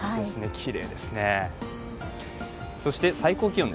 きれいですね。